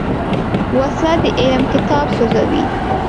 وسله د علم کتاب سوځوي